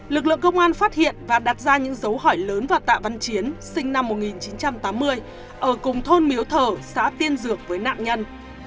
lực lượng công an phát hiện và đặt ra những dấu hỏi lớn vào tạ văn chiến sinh năm một nghìn chín trăm tám mươi ở cùng thôn miếu thờ xã tiên dược với nạn nhân